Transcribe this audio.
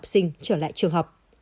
sinh trở lại trường học